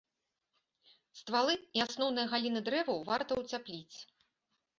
Ствалы і асноўныя галіны дрэваў варта ўцяпліць.